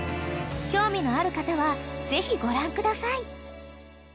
［興味のある方はぜひご覧ください］